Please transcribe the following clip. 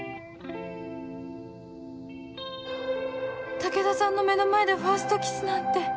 武田さんの目の前でファーストキスなんて